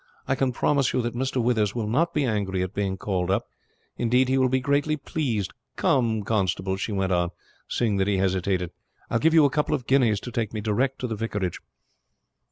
I can promise you that Mr. Withers will not be angry at being called up; indeed he will be greatly pleased. Come, constable," she went on, seeing that he hesitated, "I will give you a couple of guineas to take me direct to the vicarage."